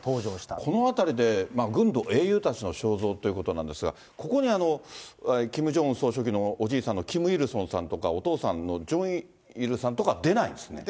このあたりで、軍の英雄たちの肖像ということなんですが、ここにキム・ジョンウン総書記のおじいさんのキム・イルソンさんとか、お父さんのジョンイルさんとか、出ないんですね。